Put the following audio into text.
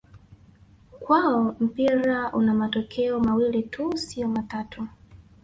Kwao mpira una matokeo mawili tu sio matatu